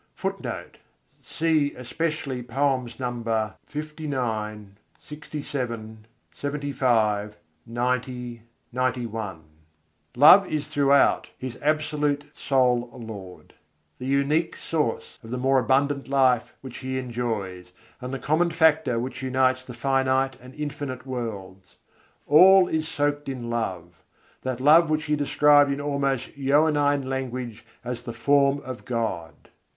[Footnote: Cf. especially Nos. LIX, LXVII, LXXV, XC, XCI.] Love is throughout his "absolute sole Lord": the unique source of the more abundant life which he enjoys, and the common factor which unites the finite and infinite worlds. All is soaked in love: that love which he described in almost Johannine language as the "Form of God."